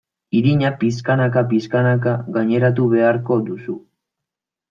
Irina pixkanaka-pixkanaka gaineratu beharko duzu.